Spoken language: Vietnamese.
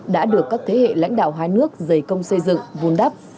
đã được các thế hệ lãnh đạo hai nước dày công xây dựng vun đắp